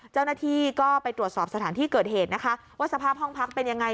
เจ้าหน้าที่ก็ไปตรวจสอบสถานที่เกิดเหตุนะคะว่าสภาพห้องพักเป็นยังไง